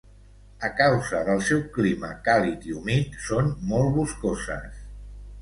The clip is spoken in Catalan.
A causa del seu clima càlid i humit són molt boscoses.